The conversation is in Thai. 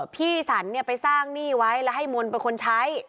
พี่สรรเนี่ยไปสร้างหนี้ไว้แล้วให้มนต์เป็นคนใช้